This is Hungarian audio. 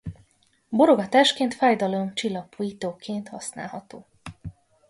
Borogatásként fájdalomcsillapítóként használható.